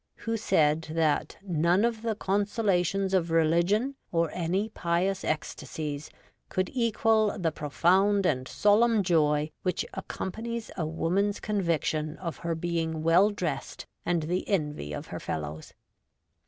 who said that none of the consolations of religion or any pious ecstasies could equal the pro found and solemn joy which accompanies a woman's conviction of her being well dressed and the envy of her fellows.